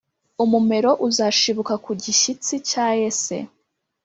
Umumero uzashibuka ku gishyitsi cya Yese,